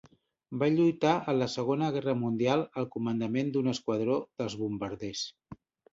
Va lluitar en la Segona Guerra Mundial al comandament d'un esquadró de bombarders.